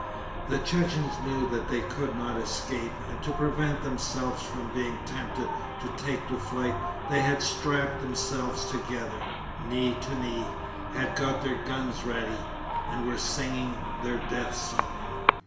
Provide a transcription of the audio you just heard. The Chechens knew that they could not escape, and to prevent themselves from being tempted to take to flight they had strapped themselves together, knee to knee, had got their guns ready, and were singing their death song.